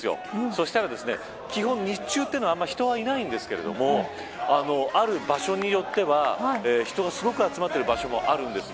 そしたら基本日中は人はいないんですけどある場所によっては人がすごく集まっている場所もあるんです。